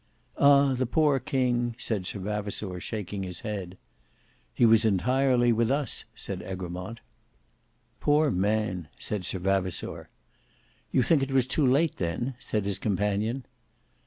"Ah! the poor king!" said Sir Vavasour, shaking his head. "He was entirely with us," said Egremont. "Poor man" said Sir Vavasour. "You think it was too late, then?" said his companion.